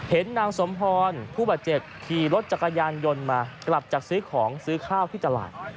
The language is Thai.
นางสมพรผู้บาดเจ็บขี่รถจักรยานยนต์มากลับจากซื้อของซื้อข้าวที่ตลาด